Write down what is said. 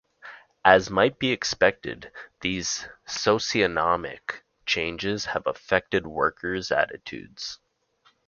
As might be expected, these socioeconomic changes have affected workers' attitudes.